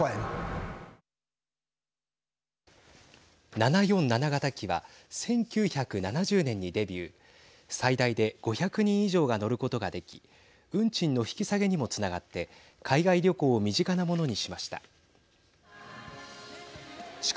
７４７型機は１９７０年にデビュー最大で５００人以上が乗ることができ運賃の引き下げにもつながって海外旅行を身近なものにしました。